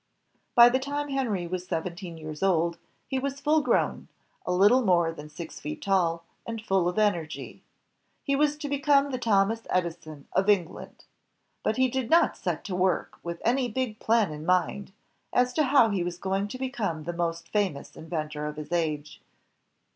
By the time Henry was seventeen years old, he was full grown, a little more than six feet tall, and full of energy. He was to become the Thomas Edison of England. But ,, he did not set to work with any big plan in mind, as to how he was going to become the most famous inventor of his age.